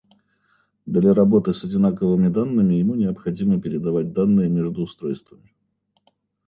Для работы с одинаковыми данными, ему необходимо передавать данные между устройствами